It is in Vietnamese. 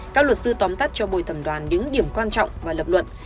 các luật sư tóm tắt cho bồi thẩm đoàn những điểm quan trọng và lập luận